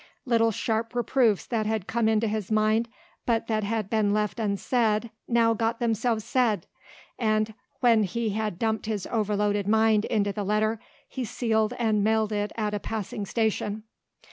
Little sharp reproofs that had come into his mind but that had been left unsaid now got themselves said and when he had dumped his overloaded mind into the letter he sealed and mailed it at a passing station.